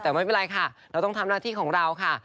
แต่ไม่เป็นไรค่ะเราต้องทำหน้าที่ของเราค่ะ